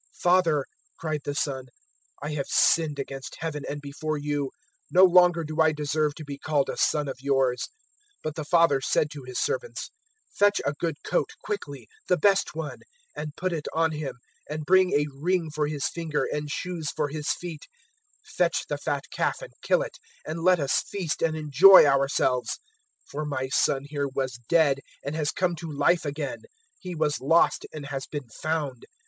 015:021 "`Father,' cried the son, `I have sinned against Heaven and before you: no longer do I deserve to be called a son of yours.' 015:022 "But the father said to his servants, "`Fetch a good coat quickly the best one and put it on him; and bring a ring for his finger and shoes for his feet. 015:023 Fetch the fat calf and kill it, and let us feast and enjoy ourselves; 015:024 for my son here was dead and has come to life again: he was lost and has been found.'